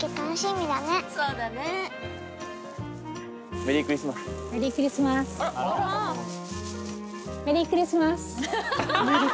メリークリスマス。